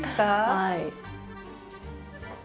はい。